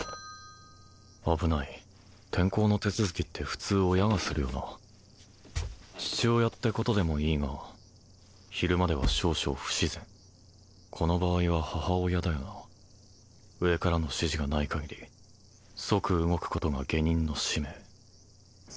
危ない転校の手続きって普通親がするよな父親ってことでもいいが昼間では少々不自然この場合は母親だよな上からの指示がない限り即動くことが下忍の使命